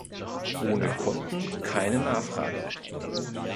Ohne Kunden, keine Nachfrage.